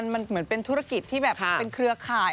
มันเหมือนเป็นธุรกิจที่แบบเป็นเครือข่าย